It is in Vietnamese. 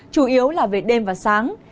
chủ yếu là về đêm và sáng